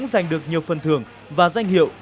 đã được nhiều phân thưởng và danh hiệu